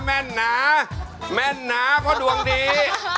แม่นหนาเพราะดวงดี